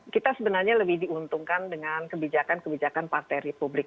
kita sebenarnya lebih diuntungkan dengan kebijakan kebijakan partai republik